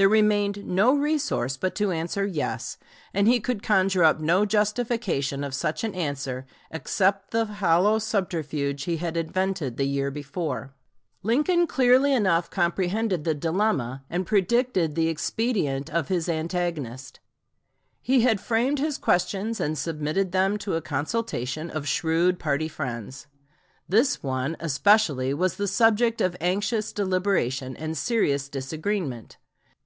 There remained no resource but to answer Yes, and he could conjure up no justification of such an answer except the hollow subterfuge he had invented the year before. Lincoln to Asbury, July 31, 1858. Lincoln clearly enough comprehended the dilemma and predicted the expedient of his antagonist. He had framed his questions and submitted them to a consultation of shrewd party friends. This one especially was the subject of anxious deliberation and serious disagreement.